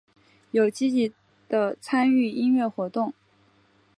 有积极的参与音乐活动。